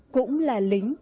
cũng là lính